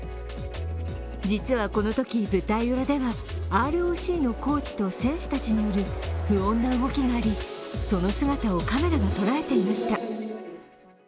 実はこのとき、舞台裏ではＲＯＣのコーチたちと選手たちによる不穏な動きがありその姿をカメラが捉えていました。